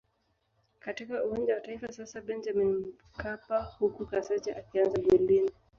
katika Uwanja wa Taifa sasa Benjamin Mkapa huku Kaseja akianza golini